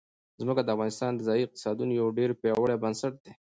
ځمکه د افغانستان د ځایي اقتصادونو یو ډېر پیاوړی بنسټ دی.